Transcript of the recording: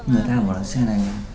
người ta hỏi là xe này